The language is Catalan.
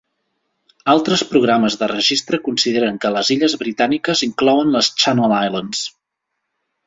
Altres programes de registre consideren que les "illes britàniques" inclouen les Channel Islands.